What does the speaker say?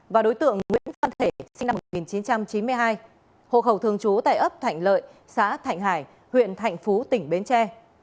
và đối tượng nguyễn văn thể sinh năm một nghìn chín trăm chín mươi hai hộ khẩu thường trú tại ấp thạnh lợi xã thạnh hải huyện thạnh phú tỉnh bến tre